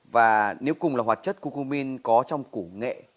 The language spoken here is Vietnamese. và nếu cùng là hoạt chất cocomin có trong củ nghệ